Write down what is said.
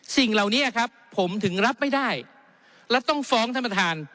สิ่งเหล่านี้ครับผมถึงรับไม่ได้และต้องฟ้องท่านประธาน